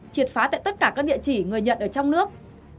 triệt phá tại tất cả các địa chỉ người nhận ở trong nước